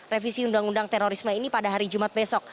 revisi undang undang terorisme ini pada hari jumat besok